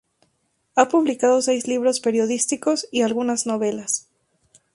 Ha publicado seis libros periodísticos y algunas novelas.